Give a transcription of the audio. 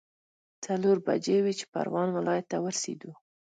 څلور بجې وې چې پروان ولايت ته ورسېدو.